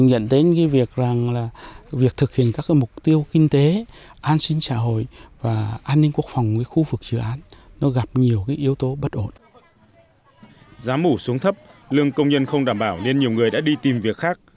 giá mủ xuống thấp lương công nhân không đảm bảo nên nhiều người đã đi tìm việc khác